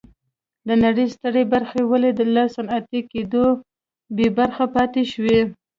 د نړۍ سترې برخې ولې له صنعتي کېدو بې برخې پاتې شوې.